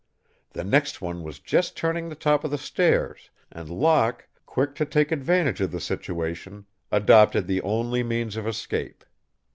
The next one was just turning the top of the stairs, and Locke, quick to take advantage of the situation, adopted the only means of escape.